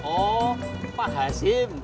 oh pak hasim